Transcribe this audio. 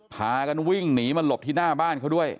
พากันวิ่งหนีมาหลบที่หน้าบ้านเขาด้วย